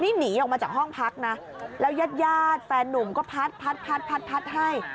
นี่หนีออกมาจากห้องพักนะแล้วยาดแฟนนุ่มก็พัดพัดให้